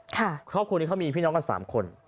ครอบครัวนี้เขามีพี่น้องกัน๓คน